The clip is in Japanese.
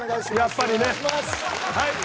やっぱりねはい。